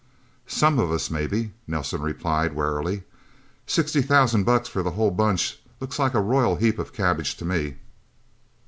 "Some of us, maybe," Nelsen replied warily. "Sixty thousand bucks for the whole Bunch looks like a royal heap of cabbage to me."